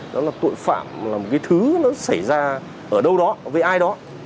đó là tội phạm là một cái thứ nó xảy ra ở đâu đó với ai đó